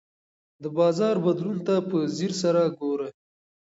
د بازار بدلون ته په ځیر سره ګوره.